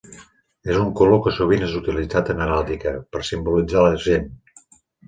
És un color que sovint és utilitzat en heràldica, per simbolitzar l'argent.